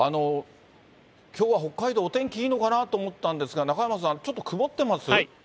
きょうは北海道、お天気いいのかなと思ったんですが、中山さん、ちょっと曇ってます？